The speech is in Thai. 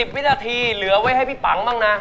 วินาทีเหลือไว้ให้พี่ปังบ้างนะ